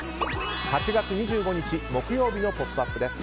８月２５日、木曜日の「ポップＵＰ！」です。